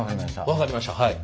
分かりましたはい。